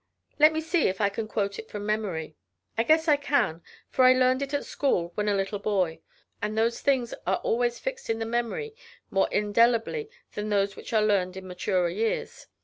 Let me see if I can quote it from memory. I guess I can, for I learned it at school when a little boy, and those things are always fixed in the memory more indelibly than those which are learned in maturer years.